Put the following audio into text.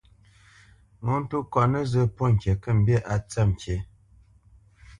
Ŋo tô kɔt nǝzǝ́ pɔ́t ŋkǐ kə̂ mbî á tsǝ̂p ŋkǐ.